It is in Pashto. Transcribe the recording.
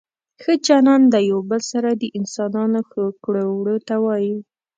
ښه چلند له یو بل سره د انسانانو ښو کړو وړو ته وايي.